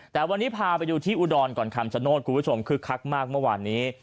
แต่วันนี้พาไปดูที่อุดรก่อนคำชโนธคุณผู้ชมคึกคักมากเมื่อวานนี้